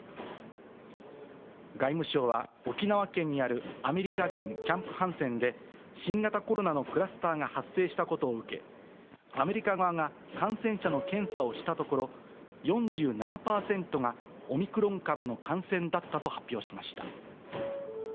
外務省は沖縄県にあるアメリカ軍キャンプ・ハンセンで、新型コロナのクラスターが発生したことを受け、アメリカ側が感染者の検査をしたところ、４７％がオミクロン株の感染だったと発表しました。